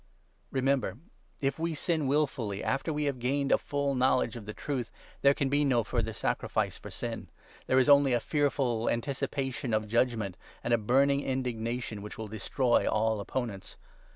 Remember, if we sin willfully after we have gained a full 26 knowledge of the Truth, there can be no further sacrifice for sin ; there is only a fearful anticipation of judgement, and a 27 burning indignation which will destroy all opponents.